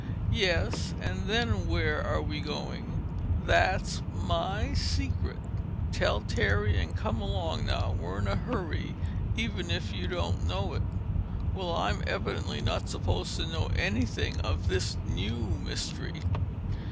"Yes? And then where are we going?" "That's my secret. Tell Terry, and come along now. We're in a hurry, even if you don't know it." "Well, I'm evidently not supposed to know anything of this new mystery!"